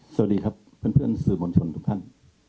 สวัสดีครับเพื่อนสื่อมวลชนทุกท่าน